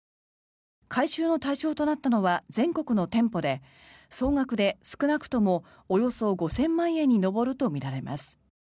回収の対象となったのは全国の店舗で総額で少なくともおよそ５０００万円に上るとみられます。